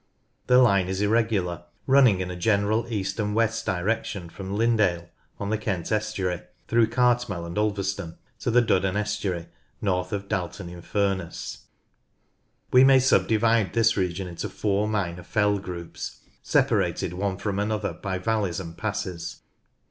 The line is irregular, running in a general east and west direction from Lindale on the Kent estuary, through Cartmel and Ulverston, to the Duddon estuary, north of Dalton in Furness. We may subdivide this region into four minor fell groups separated one from another by valleys and passes.